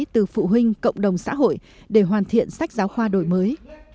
từ phụ huynh cộng đồng xã hội để hoàn thiện sách giáo khoa đổi mới